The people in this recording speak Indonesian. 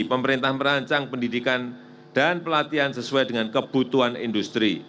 pemerintah merancang pendidikan dan pelatihan sesuai dengan kebutuhan industri